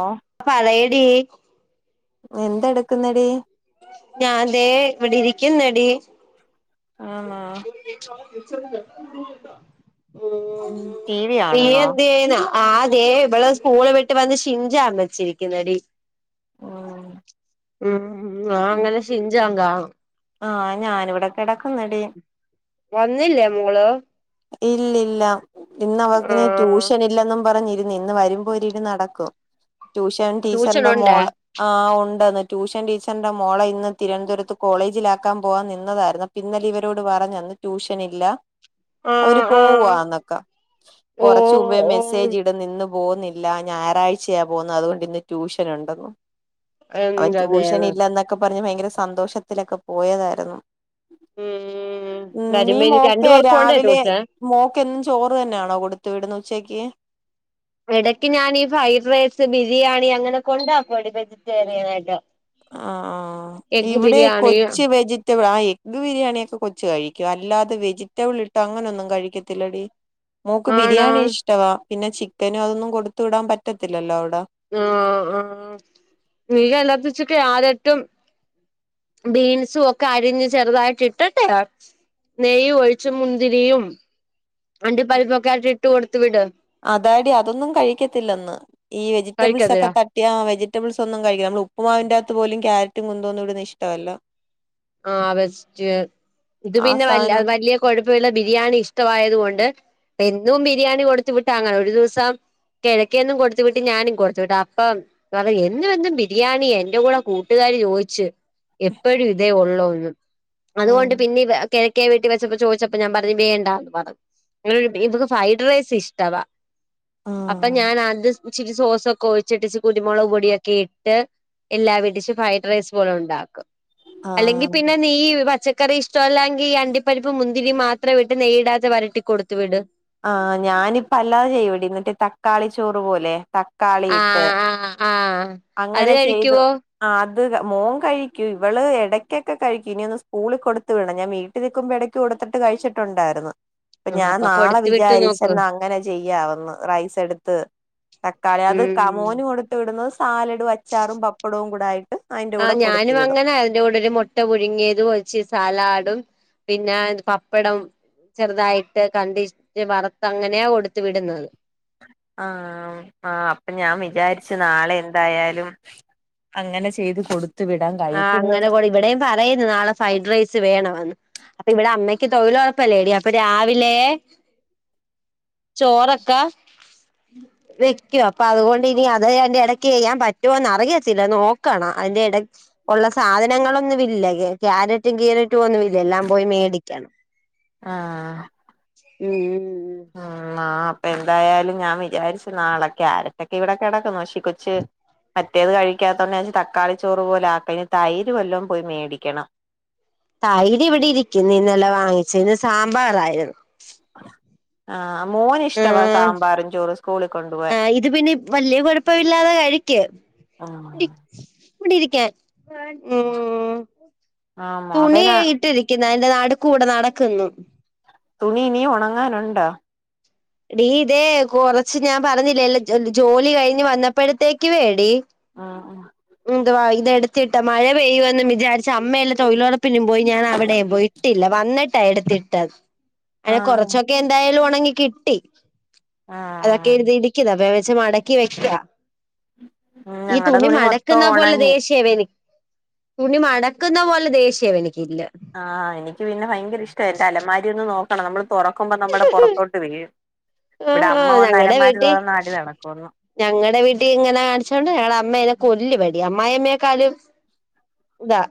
ഓ പറയാടി എന്തെടുക്കുന്നടി ഞാ അതെ ഇവിടെ ഇരിക്കുന്നടി ആണ ഉ ടി വി നീ കാണുന്നോ എന്ത് ചെയ്യനാ? ആ അതെ ഇവള് സ്കൂള് വിട്ട് വന്ന് ഷിഞ്ചാ വെച്ചിരിക്കുന്നടി. ഉ ഉം അങ്ങനെ ഷിഞ്ചൻ കാണുന്ന ആഹ ഞാാനിവിടെ കിടക്കുന്നടി വന്നില്ലേ മോള്? ഇല്ലല്ല ഇന്ന് അവർക്ക്ിന് ആഹ് ട്യൂഷൻ ഇല്ലെന്ന് പറഞ്ഞി നിന്ന് വരുമ്പോ ഒട് നടക്കും ട്യൂഷൻ ട്യൂഷൻ ടീച്ചറിന്റെ ഉണ്ടേ മോള് ആ് ഉണ്ട ട്യൂഷൻ ടീച്ചറിന്റെ മോള ഇന്ന് തിരുവനന്തപുരത്ത് കോളേജിലാക്കാൻ പോവാാൻ നിന്നതായിരുന്നു പിന്നെ ഇവരോട് പറഞ്ഞ ട്യൂഷൻ ഇല്ല. അവര് ആഹ് ആഹ് പോവവാന്നൊക്കാ ഓ കൊറച്ച മുമ്പേ ഓ മെസ്സേജ് ഇടുന്ന ഇന്ന് പോകുന്നില്ല ഞായറാഴ്ചയാ പോകുന്നു അതുകൊണ്ട് ഇന്ന് ട്യൂഷൻ ഉണ്ടെനന്. അവൻ എന്റെ ട്യൂഷൻ ദൈവം ഇല്ല എന്നൊക്കെ പറഞ്ഞ് ഭയങ്കര സന്തോഷത്തിലൊക്കെ പോയതായിരുന്നു. ഉം ഉ നീ വരുമ്പോ ഇനി രണ്ട് മോക്കെ പേർക്കും രാവിലെ ഉണ്ടേ രാവിലെ ട്യൂഷൻ മോക്ക്ും ചോറ് തന്നെയാണോ കൊടുത്തു വിടുന്ന ഉച്ചക്ക് ഇടക്ക് ഞാൻീഈ ഫ്രൈഡ് റൈസ് ബിരിയാണി അങ്ങനെ കൊണ്ടാക്കോ എടി വെജിറ്റേറിയൻ ആയിട്ടോ ആ ഇവിടെ കൊച്ച വെജിറ്റബിൾ ആയി ഇത് ബിരിയാണിയൊക്കെ കൊച്ച കഴിക്കും അല്ലാതെ വെജിറ്റബിൾി ഇട്ടോ അങ്ങനെൊന്നും കഴിക്കത്തില്ലടി. മോക്ക് ബിരിയാണി ആണോ ഇഷ്ടവാ പിന്നെ ചിക്കനും അതൊന്നും കൊടുത്തു വിടാൻ പറ്റത്തില്ലല്ലോ അവിടെ ആ ആ നീക എല്ലാര്ത്തച്ചൊക്കെ ആരായ്ട്ടും ബീൻസും ഒക്കെ അരിഞ്ഞ് ചെറുതായിട്ടിട്ടട്ടെ നെയ്യും ഒഴിച്ചു മുന്തിരിയും അണ്ടിപ്പരിപ്പൊക്കെയായിട്ടിട്ട് കൊടു അതാടി അതൊന്നും കഴിക്കത്തില്ലന്ന്. ഈ വെജിറ്റബിൾസ് ഒക്കെ കഴിക്കത്തില്ല തട്ടിയാ വെജി റ്റബിൾസ് ഒന്നും കഴിക്കാൻ നമ്മളുപ്പുമാവിന്റാത്ത് പോലും ക്യാരറ്റും കുന്തോന്നും ഇടുന്ന ഇഷ്ടവല്ല. ആ ബെസ്റ്റ്. ഇത് ആ പിന്നെ വല്ല സാധനം വലിയ കൊഴ ബിരിയാണി ഇഷ്ടമായത് കൊണ്ട് എന്നും ബിരിയാണി കൊടുത്ത വിട്ട അങ്ങനെ ഒരു ദിവസം കിഴക്കന്നും കൊടുത്തു വിട്ട് ഞാനും കൊടുത്തു വിട്ട അപ്പം പറ എന്നുംെന്നും ബിരിയാണി എന്റെ കൂടെ കൂട്ടുകാ ചോദച്ച് എപ്പോഴും ഇതേ ഉള്ളൂന്ന് ഉം അതുകൊണ്ട് പിന്നെ കിഴക്കെ വീട്ട വെച്ചപ്പോ ചോദിച്ചപ്പോ ഞാൻ പറഞ്ഞു വേണ്ടാന്ന് പറഞ്ഞു. ഇക്ക് ഫ്രൈഡ് റൈസ് ഇഷ്ടവാ. അപ്പൊ ആഹ് ഞാൻ ആ ഇച്ചിരി സോസൊക്കെ ഒഴിച്ചിട്ട് ഇി കുരുമുളക് പൊടിയൊക്കെ ഇട്ട് എല്ലാവിടിച്ചു ഫ്രൈഡ് റൈസ് പോലൊണ്ടാക്കും. അല്ലെങ്കി ആഹ് പിന്നെ നീ പച്ച ക്കറി ഇഷ്ടമല്ലാങ്കി ഈ അണ്ടിപ്പരിപ്പ് മുന്തിരി മാത്രവിട്ട് നെയ്യിടാത്ത് വരട്ടി കൊടുത്തു വിട്. ആ ഞാനിപ്പ അല്ലാതെ ചെയ്യുവെടി, മറ്റേ തക്കാളിച്ചോറ് പോലെ. തക്കാളിയിട്ട് ആ അങ്ങനെ ചെയ്തു. ആ അത് മോൻ കഴിക്കും. ഇവള് എടയ്ക്കൊക്കെ കഴിക്കും. ഇനിയൊന്ന് സ്കൂളി കൊടുത്ത് വിടണം. ഞാൻ വീട്ടിൽ നിൽക്കുമ്പം എടയ്ക്ക് കൊടു ത്തിട്ട് കഴിച്ചിട്ടുണ്ടാര്ന്നു. പ്പം ആഹ് ഞാൻ അപ്പൊ നാളെ കൊടുത്തു വിട്ട് നോക്ക് വിചാരിച്ചെന്നാ അങ്ങനെ ചെയ് യ്യാവെന്ന്. റൈസ് എടുത്ത് തക്കാളി അത് ക ഉം മോന് കൊടുത്ത് വിടുന്നത് സ് സാലഡും അച്ചാറും പപ്പടവും കൂടായി ആ ഞാനും അങ്ങനാ. അതിൻ്റ കൂടൊരു മുട്ട പുഴുങ്ങിയതും ഒരു ഇച്ചി സാലാഡും പിന്നെ പപ്പടം ചെറുതായിട്ട് കണ്ടിച്ച് വറുത്തങ്ങനെയാ കൊടുത്തു വിടുന്നത്. ആഹ് ആ അപ്പൊ ഞാൻ വിചാരിച്ചു നാ യാലും അങ്ങനെ ചെയ്ത് കൊടു ആഹ് അങ്ങനെ കൊട്. ഇവിടെയും പറയുന്ന് നാളെ ഫ്രൈഡ് റൈസ് വേണമെന്ന്. അപ്പൊ ഇവിടെ അമ്മയ്ക്ക് തൊഴിലുറപ്പല്ലേടി. അപ്പൊ രാവിലേ ചോറൊക്കെ വെക്കും. അപ്പൊ അതുകൊണ്ട് ഇനി അത് അതിൻ്റെടക്ക് ചെയ്യാമ്പറ്റോന്ന് അറിയത്തില്ല. നോക്കണം. അതിന്റെടയ് ഒള്ള സാധനങ്ങളൊന്നുവില്ല. കക്യാരറ്റും കീരറ്റും ഒന്നുവില്ല. എല്ലാം പോയി മേടിക്കണം. ആഹ് ഉം ഉം ഉം. ആ അപ്പൊ എന്തായാലും ഞാൻ വിചാരിച്ചു നാളെ ക്യാരറ്റൊക്കെ ഇവിടെക്കെടക്കുന്ന്. പക്ഷേ കൊച്ച് മറ്റേത് കഴിക്കാത്തോണ്ട് ഞാം [unintelligible] തക്കാളി ചോറ് പോലാക്കാം. ഇനി തൈര് വല്ലോം പോയി മേടിക്കണം. തൈരിവിടെ ഇരിക്കുന്ന്, ഇന്നലെ വാങ്ങിച്ച്. ഇന്ന് സാമ്പാറാരുന്ന്. ആ മോന് ഇഷ്ടവാ ആഹ്. സാമ്പാറും ചോറും സ്കൂളിൽ കൊണ്ടുപോവാൻ ആ ഇത് പിന്നെ വലിയ കുഴപ്പമില്ലാതെ കഴിക്കും. എ [unintelligible] ഇവിടിരിക്കാൻ. ഉം ആ അവനാ തുണിയേ ഇട്ടിരിക്ക ദാ എന്റെ നടുക്കൂടെ നടക്കുന്നു. തുണി ഇനീം ഒണങ്ങാനുണ്ടോ? ഡീ ഇതേ കൊറച്ച് ഞാൻ പറഞ്ഞില്ലല്ല ജോലി കഴിഞ്ഞ് വന്നപ്പഴത്തേക്കുവേടി ആ ന്തുവാ ഇതെടുത്തിട്ട് മഴ പെയ്യുമെന്നും വിചാരിച്ച് അമ്മയെല്ല തൊഴിലുറപ്പിനും പോയി. ഞാനവിടേം പോയി. ഇട്ടില്ല വന്നിട്ടാ എടുത്തിട്ടത് ആ അങ്ങനെ കൊറച്ചൊക്കെ എന്തായാലും ഒണങ്ങി കിട്ടി. അതൊക്കെ എടുത്ത് ഇടിക്കുന്ന് അപ്പ ഞാ വിചാ ച്ച് മടക്കി വെക്കാം ഉം ഞങ്ങടെ തുണി മൊ ന്ന പോലെ ദേഷ്യവനി തുണി മടക്കുന്ന പോലെ ദേഷീവനി ആ എനിക്ക് പിന്നെ ഭയങ്കര ഇഷ്ട എന്റെ അലമാരി ഒന്ന് നോക്കണം നമ്മള് തുറക്കുമ്പോ നമ്മുടെ പുറത്തോട്ട് വീഴും ഇവിടെ ആഹ് അമ്മ വന്ന് അലമാരി തുറന്ന അടി നടക്കുമന്ന് ഞങ്ങളടെ വീട്ടിൽ ഇങ്ങനെ കാണിച്ചോ കൊണ്ട് ഞങ്ങളടെ അമ്മേനെ കൊല്ലുവടി അമ്മായിമ്മയെക്കാളും ഇതാ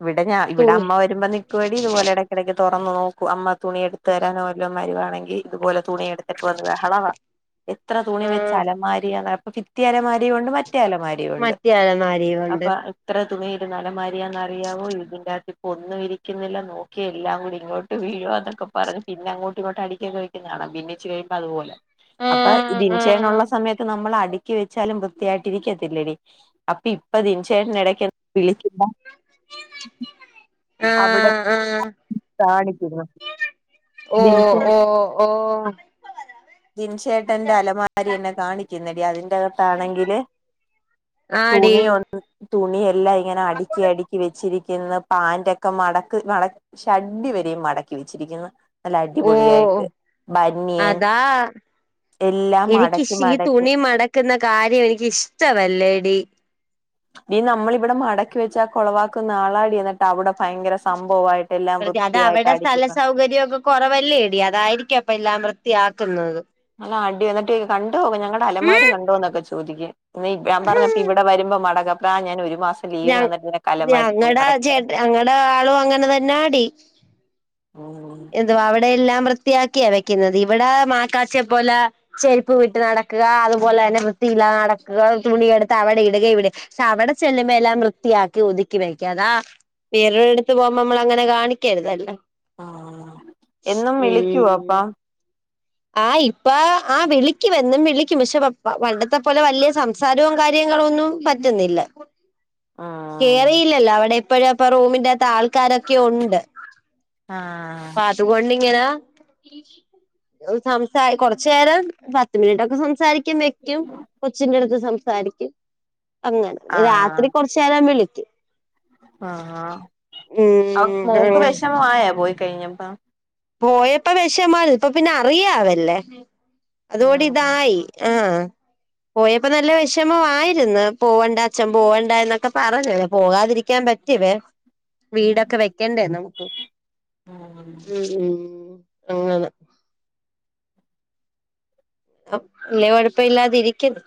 ഇവിടെ ഞാ ഇവിടെ തുണി അമ്മ വരുമ്പോ നിക്കുവെടി ഇതുപോലെടക്കെടക്ക് തുറന്ന് നോക്കും അമ്മ തുണി എടുത്തു തരാനോ വല്ലോം വരുവാണെങ്കി ഇതുപോലെ തുണിയെടുത്തിട്ട് വന്ന് ബഹളവാ. എത്ര തുണി വെച്ച ആഹ് അലമാരിയാന്ന് അപ്പം ഭിത്തിയലമാരീവൊണ്ട് മ മറ്റേ അലമാരീവൊണ്ട്. മറ്റേ അലമാരയും കൊണ്ട് അപ്പൊ ഇത്ര തുണീരുന്ന അലമാരി അ അറിയാവോ ഇതിന്റെകത്ത് ഇപ്പോ ഒന്നും ഇരിക്കുന്നില്ല നോക്കി എല്ലാം കൂടി ഇങ്ങോട്ട് വീഴു എന്നൊക്കെ പറഞ്ഞഞ് പിന്നെങ്ങോട്ട ഇങ്ങോട്ട അടിക്കൊക്കെക്കുന്ന കാണം പിന്നി ച്ചി കഴുമ്പോ അതുപലെ അപ്പൊ ആഹ് ഇൻഷേനള്ള ആഹ് സമയത്ത് നമ്മൾ അടി ക്ക വെച്ചാലും വൃത്തിയായിട്ടിരിക്കത്തില്ലടി അപ്പൊ ഇപ്പ ദിനി ചേട്ടൻ ഇടക്ക് വി അവിടെ ആഹ് കാണിക്കിരുന്നു ഒ ഓ ഒ ഓ ഓ ദിൻചേട്ടന്റെ അലമാരി എന്നെ കാണിക്ക ടീ അതിന്റെകത്താണെങ്കിൽ ആടി തുണിന്ന് തുണി എല്ലാം ഇങ്ങനെ അടി ക്കി അടക്കി വെച്ചിരിക്കുന്ന പാൻ്റ് ഒക്കെ മടക്ക മട ഷഡി വരെയും മടക്കി വെച്ചിരിക്കുന്നു നല്ല ഓ അടിപൊളിയായിട്ട് ബന്നിയൻ എനിക്ക് ഈ തുണി മടക്കുന്ന കാര്യം എനിക്ക് ഇഷ്ടവല്ലേ ടി ഇീ നമ്മളിവിടെ മടക്കി വെച്ചാ കൊളവാക്ക നാളാടി എന്നിട്ട് അവിടെ ഭയങ്കര സംഭവമായിയിട്ട് വൃ അത അവിടെ സ്ഥല സൗകര്യം ഒക്കെ കുറവല്ലേ ഇടി അതായിരിക്കും അപ്പൊ എല്ലാം വൃത്തിയാക്കുന്നത് ആടി എന്നിട്ട് കണ്ടോ ഞങ്ങടെ അലമാരി കണ്ടോന്നൊക്കെ ചോദിക്കേ ഇ ഞാൻ പറഞ്ഞപ്പ ഇവിടെ വരുമ്പോ മടകം ഞ ഞങ്ങളുടെ മടക്കി ചേട്ട ഞങ്ങടെ ആളും അങ്ങനെ തന്നെടി [unintelligible] ഉം എന്തുവാ അവിടെ എല്ലാം വൃ ത്തിയാക്കിയ വെക്കുന്നത് ഇവിടെ മാക്കാച്ചെ പോലെ ചെരുപ്പ് വിട്ട് നടക്കുക അതുപോലെ തന്നെ വൃത്തി എ നടക്കുക തുണിയെടുത്ത് അവിടെ ഇടുക ഇവിടെ പക്ഷെ അവിടെ ചെല്ലുമ്പോ എല്ലാം വൃത്തിയാക്കി ഒതുക്കി വെക്കും അതാ വേറോടെ അടുത്ത് പോകുമ്പോ നമ്മള അങ്ങനെ കാണിക്കരുതല്ലോ ആഹ് എന്നും വിളിക്കുവോ ഉം അപ്പം ആ ഇപ്പ ആ വിളിക്കും എന്നും വിളിക്കും പക്ഷെ പപ്പ പണ്ടത്തെ പോലെ വലിയ സംസാരവും കാര്യ കാര്യങ്ങളൊന്നും പറ്റുന്നില്ല ആഹ് കേറിയില്ലല്ലോ അവിടെ എപ്പഴും അപ്പ റൂമിറത്ത് ആൾക്കാരൊക്കെ ഉണ്ട് ആ..... പതുക്കൊണ്ടിങ്ങനാ സംസാ കൊറച്ചു നേരം പത്ത് മിനിറ്റ് ഒക്കെ സംസാരിക്ക ക്കും വെക്കും കൊച്ചിന്റെ അടുത്ത് സംസാരിക്കും അങ്ങനെ രാത്രി കുറച്ചു നേരം വിളിക്കും ആ ആ അവ് ഉം മോക്ക് അങ്ങനെ. വിഷമ ആയാ പോയി കഴിഞ്ഞപ്പ പോയപ്പോ വിഷമാ ഇപ്പ പിന്നെ അറിയാവല്ലേ അതോടി ഉം ഇതായി ആ പോയപ്പോ നല്ല വിഷമ ആരുന്നു പോവണ്ട അച്ഛൻ പോവണ്ട എന്നൊക്കെ പറഞ്ഞല്ല പോകാതിരിക്കാൻ പറ്റ പറ്റവേ വീടൊക്കെ വെക്കണ്ടേ നമുക്ക് ഉം ഉം ഉം അങ്ങനെതാ അ വല്യ കുഴപ്പ ഇില്ലാതെ ഇരിക്കുന്നു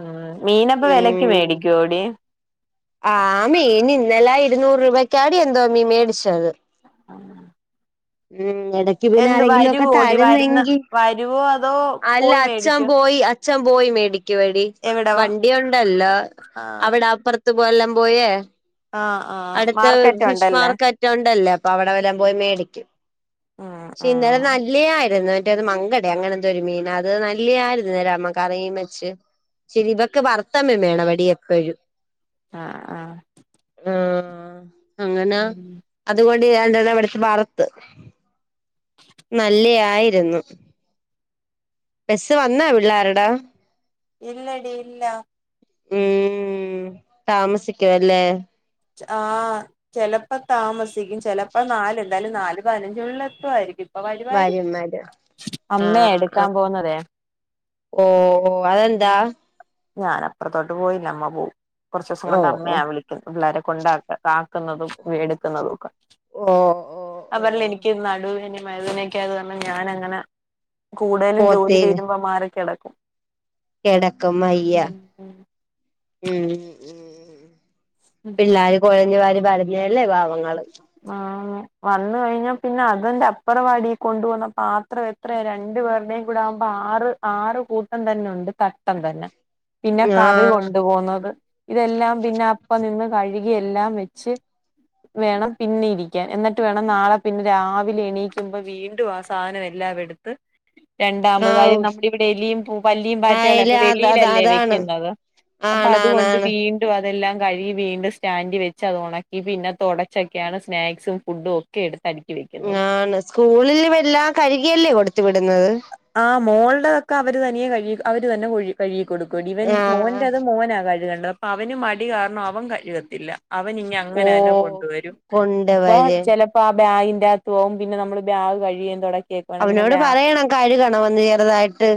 ഉം മീനപ്പൊ വിലക്ക് ഉം മേടിക്കുവോടി ആ മീൻ ഇന്നലെ ഇരുന്നൂറ് രൂപയ്ക്കാടി എന്തോ മീൻ മേടിച്ചത് ഉം ഉം. ഇടക്ക് പിന്നാരെങ്കിലൊക്കെ വരുന്ന തരുന്നെങ്കി വരുവോ അതോ അല്ല പോയി മേടിക്കോ അച്ചപോയി അച്ഛ പോ പോയിമേടിക്കുവടി എവിടവാ വണ്ടിയുണ്ടല്ലോ ആഹ് അവിടെ അപ്പർത്ത് പോ എല്ലാം പോയേ. ആഹ് ആഹ് അടുത്ത മാർക്കറ്റ് ഫിഷ് ഉണ്ടല്ലേ മാർക്കറ്റുണ്ടല്ലേ അപ്പൊ അവിടെ വല്ലൻ പോയി മേടിക്ക്. ഉം ക്ഷേ ഇന്നലെ ഉം നല്ലായി മറ്റേ അത് മങ്കട അങ്ങനെ എന്തോ ഒരു മീൻ അത് നല്ലായിരുന്നുരാമ്മ കറിയും മെച്ച് ശരി ഇവൊക്കെ വർത്തമം മേണപടി എപ്പോഴും ആ ആ ആ അങ്ങനാ, അതുകൊണ്ട് [unintelligible] ബറത്ത്. നല്ലയായിരുന്നു. ബസ്സ് വന്നാ പിള്ളേരുടെ? ഇല്ലടി ഇല്ല. ഉം താമസിക്കുവല്ലേ? ച ആഹ ചെലപ്പത്താമസിക്കും ചെലപ്പോ നാല എന്താലും നാല് പതിനഞ്ചുള്ളിൽ എത്തുവായിരിക്കും. പ്പവരുവാര് ഭാര്യന്മാര് അമ്മയ ആഹ് എടുക്കാൻ ആഹ് പോന്നതേ. ഓ അതെന്താ? ഞാനപ്പറത്തോട്ട് പോയില്ല അമ്മ പോവും. കുറച്ചോസം ഓ കൊണ്ട് ഓ അമ്മയാ വിളിക്കുന്നു പിള്ളേരെ കൊണ്ടാക്ക കാക്കുന്നതും വേടുക്കുന്നതും ഒക്ക. ഓ ഓ ഓ അതല്ല എനിക്ക് നടുവിെ മയ്തിനനൊക്കെഅയത് കാര്ണം ഞാനങ്ങന കൂടലും ജോലി പോത്തേര് തീരുമ്പോ മാറി കെടക്ക കെടക്കമ്മയ്യ ഉ ഉ. പിള്ളേര് കുഴഞ്ഞ വാര് പരഞ്ഞല്ലേ പാവങ്ങള്. ആ വന്ന് കഴിഞ്ഞാ പിന്നെ അതിന്റെ അപ്പുറവാടി കൊണ്ടു വന്ന പാത്രം എത്രയ രണ്ട് ണ്ട് പേരുടെയും കൂടെ ആവുമ്പോ ആറ് ആറ് കൂട്ടം തന്നെ ഉണ്ട് തട്ടം തന്നെ. പിന്നെ കറി ആഹ് കൊണ്ടു പോകുന്നത് ഇതെല്ലാം പിന്നെ അപ്പ നിന്ന് കഴി ഇ എല്ലാം വെച്ച് വേണം. പിന്നിരിക്കാൻ എന്നിട്ട് വേണം നാളെ പിന്നെ രാവിലെ എണീക്കുമ്പോ വീണ്ടും ആ സാധനം എല്ലാം എടുത്ത്. രണ്ടാമതായി ആവും നമ്മുടെ ഇവിടെ എലിയും പൂ പല്ലിയും പാറ്റകളെ ആയല് അപ്പൊ അത് അത് വെളിയിലല്ലേ അതാണ് വെക്കുന്നത്. അപ്പൊ അതുകൊണ്ട് ആണാണാണ് വീണ്ടും അതെല്ലാം കഴുകി വീണ്ടും സ്റ്റാൻഡി വെച്ച് അത് ഒണക്കി പിന്നെ തൊടച്ചക്ക ക്കെയാണ് സ്നാക്സും ഫുഡും ഒക്കെ എടുത്ത്ടിക്ക ഞാണ് സ്കൂളില് വല്ലാം കഴുകിയല്ലേ കൊടുത്ത് വിട ആ മോൾടെതൊക്കെ അവര് തനിയെ കഴി അവര് തന്നെ ഒഴ് കഴിയ കൊടുക്കൂടി ഇവൻ ആഹ് മോന്റത് മോനാ കഴുകണ്ടത്. അപ്പഅവന് മടി കാരണം അവൻ കഴുകത്തില്ല. അവൻ ഇങ്ങ ഓ അങ്ങനന്നെ കൊണ്ടുവരും അപ്പൊ കൊണ്ടുവര് ചെലപ്പോ. ബ്രാഗിന്റെത്വാവും പിന്നെ നമ്മള് ബാഗ് കഴികേം തൊടക്യേക്ക വേണം പിന്നെ ബ്രാ കഴുകണ വന്ന് ചെറുതായിട്ട്.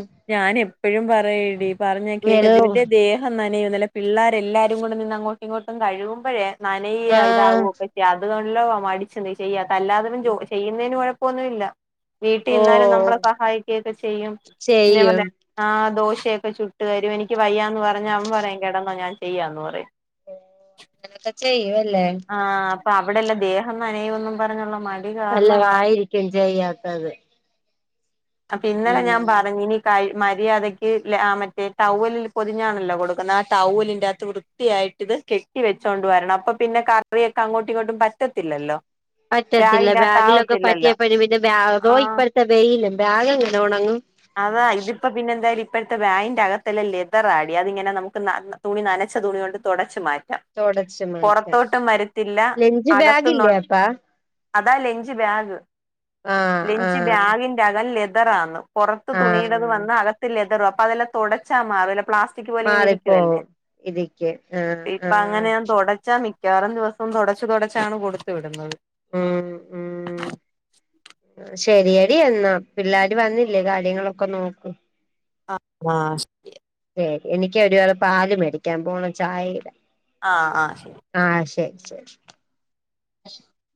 എപ്പഴും പറയടി പറഞ്ഞ കേക്കതി വെള്ളം ഇവൻ്റെ ദേഹം ന നിയതല്ല പിള്ളേരെല്ലാരും കൂടെ നിന്നഅങ്ങോട്ടും ഇങ്ങോട്ടും കഴുകുമ്പഴേ നനയ ആഹ് ഇതാവുവോ പക്ഷെ അത് കൊ ല്ലവ വടിച്ന്തെചെയ്യാട്ട അല്ലാത്തപ ജോ ചെയ്യുന്നെന്കൊഴപ്പൊന്നുംല്ല ഓ വീട്ടിഇന്നാലും നമ്മള- സഹായിക്കെക്കൊചെയ്യും. ന്ന്ഞ ചെയ്യും പർലെ ആ ദോശയൊക്കെ ചുട്ടു തരു എനിക്ക് വയ്യ ന്ന് പറഞ്ഞഅവംപറയും കെടന്നാ ഞാൻ ചെയ്യാന്ന് പറയും. ഓ അങ്ങനത്ത ചെയ്യുവല്ലേ? പ്പ അവിടെല്ല ദേഹം നനയുന്നും പറഞ്ഞുള്ള മ നല്ലവായിരിക്കും ചെയ്യാത്തത്. അപ്പ ഇന്നലെ ഉം ഞാപറഞ്ഞഞ്നി കഴ മര്യാദയ്ക്ക് ലെ ആ മറ്റേ ടൗവലിൽ പൊതിഞ്ഞാണല്ലോ കൊടുക്കുന്ന. ആ ടൗവലിൻ്റകത്ത് വൃത്തിയായിട്ടി ത്. അ് കെട്ടി വെച്ചോണ്ടുവരണം അപ്പൊ പിന്നെ കറിയൊക്കെ അങ്ങോട്ടു ഇങ്ങോട്ടും പറ്റത്തില്ലല്ലോ. പറ്റത്തില്ല ബാഗിന്റെകത്ത് ബാഗിലൊക്കെ ആവത്തില്ലല്ലോ പറ്റിയപ്പഴ പിന്നെ ബാതോ ആ ഇപ്പഴത്തെ വെയിലും. ബാഗെങ്ങനെ ഉണങ്ങും? അതാ ഇതിപ്പ പിന്നെന്തായാലും ഇപ്പഴത്തെ ബാഇന്റകത്തല്ലാം ലെതറാടി അതിങ്ങനെ നമുക്ക് ന തുണി നന ച്ച തുണികൊണ്ട് തൊടച്ചുമാ ര തുടച്ചു മാറ്റാം പൊറത്തോട്ടും വരത്തില്ല ലഞ്ച് ബാഗില്ലേ അകത്തുന്നുള്ളു അപ്പാ അതാ ലെഞ്ച് ബാഗ്, ആഹ് ലെഞ്ച് ആഹ് ബാഗിന്റെ അകം ലെ തറാന് പുറത്തുതുനിടത് ആഹ് വന്നാ അകത്തു ലെതറും അപ്പൊ അതെല്ലാം തൊടച്ചു [inaudible] പ്ലാസ് [unintelligible] ഇരിക്കുവല്ലേ, മാറിപ്പോവും ഇതിക്ക് ആഹ് ഇപ്പഅങ്ങനെ ആഹ് ഞാൻ തുടച്ചാ നി മിക്കവാറും ദിവസം തുടച്ചു തുടച്ചാണ് കൊടുത്തു വിടുന്നത് ഉം ഉം ശരിയടി എന്നാ പിള്ളാര്‌ വന്നില്ലേ കാര്യങ്ങളൊക്കെ നോക്കൂ ആ ശരി എനിക്ക് ഒരവർ പാല് മേടിക്കാൻ പോണം ചായയിടാൻ ആ ആഹ ശരി [unintelligible]